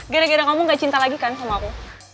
gara gara kamu gak cinta lagi kan sama aku